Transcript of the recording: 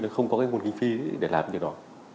không có nguồn hình phi để làm điều đó